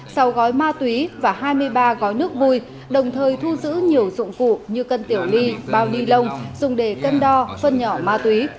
sau gói ma túy và hai mươi ba gói nước vui đồng thời thu giữ nhiều dụng cụ như cân tiểu ly bao đi lông dùng để cân đo phân nhỏ ma túy